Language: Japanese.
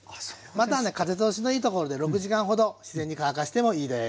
または風通しのいいところで６時間ほど自然に乾かしてもいいです。